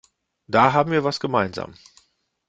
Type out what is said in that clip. Da haben wir was gemeinsam.